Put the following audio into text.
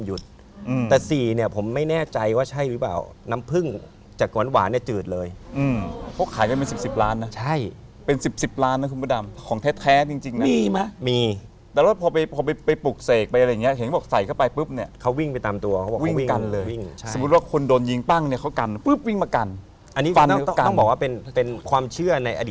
คิดแต่ในใจคิดแต่ในบ้านไปแต่ผมไม่รู้ว่ามันฝั่งเจ็ด